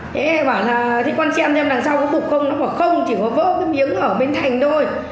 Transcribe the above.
thế bảo là thì con xem xem đằng sau có đục không nó bảo không chỉ có vỡ cái miếng ở bên thành thôi